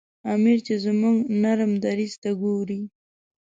امیر چې زموږ نرم دریځ ته ګوري.